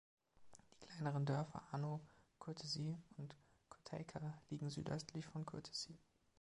Die kleineren Dörfer Ano Kourtesi und Kotteika liegen südöstlich von Kourtesi.